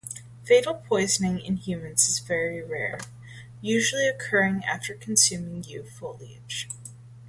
Fatal poisoning in humans is very rare, usually occurring after consuming yew foliage.